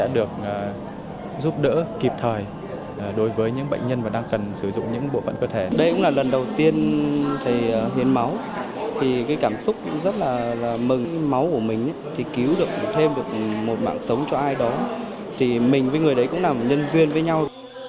đó chỉ mình với người đấy cũng là một nhân viên với nhau